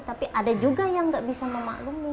tapi ada juga yang nggak bisa memaklumi